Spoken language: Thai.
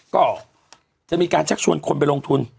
ก็จะมีการชักชวนคนไปลงทุน